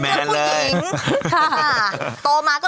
ตัวมาก็เลยไม่อยากทำอาหาร